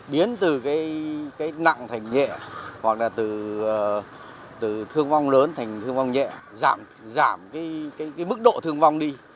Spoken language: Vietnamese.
biến từ cái nặng thành nhẹ hoặc là từ thương vong lớn thành thương vong nhẹ giảm cái mức độ thương vong đi